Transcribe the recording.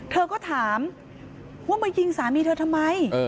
เธอก็ถามว่ามายิงสามีเธอทำไม